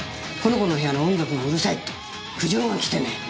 この子の部屋の音楽がうるさいって苦情が来てね。